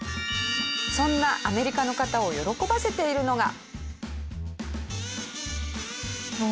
そんなアメリカの方を喜ばせているのが。